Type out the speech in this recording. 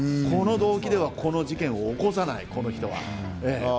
この動機ではこの事件は起こさない、この人は。